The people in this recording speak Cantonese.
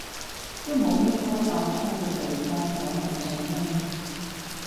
都冇必要爆粗嘅地方講嚟做咩呢？